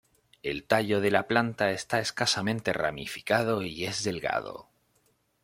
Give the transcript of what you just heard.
El tallo de la planta está escasamente ramificado, y es delgado.